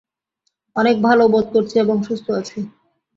অনেক ভাল বোধ করছি এবং সুস্থ আছি।